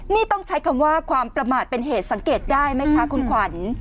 นี่ต้องใช้คำว่าความประมาทเป็นเหตุสังเกตได้ไหมคะคุณขวัญ